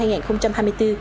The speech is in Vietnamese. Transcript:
sẽ được tổng kiểm soát